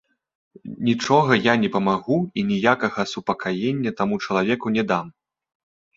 Нічога я не памагу і ніякага супакаення таму чалавеку не дам.